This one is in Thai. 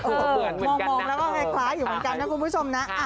มองแล้วก็คล้ายอยู่เหมือนกันนะคุณผู้ชมนะ